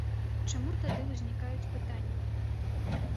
Чаму тады ўзнікаюць пытанні?